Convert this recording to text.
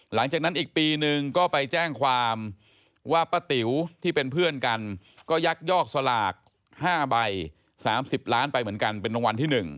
หลังจากนั้นอีกปีนึงก็ไปแจ้งความว่าป้าติ๋วที่เป็นเพื่อนกันก็ยักยอกสลาก๕ใบ๓๐ล้านไปเหมือนกันเป็นรางวัลที่๑